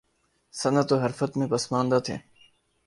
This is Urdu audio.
صنعت و حرفت میں پسماندہ تھے